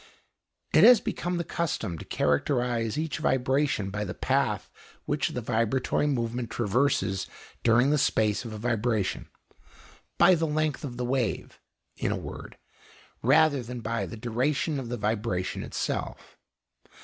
It has become the custom to characterise each vibration by the path which the vibratory movement traverses during the space of a vibration by the length of wave, in a word rather than by the duration of the vibration itself.